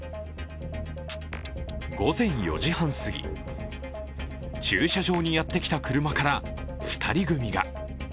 午前４時半過ぎ、駐車場にやってきた車から２人組が。